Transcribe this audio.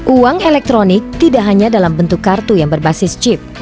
uang elektronik tidak hanya dalam bentuk kartu yang berbasis chip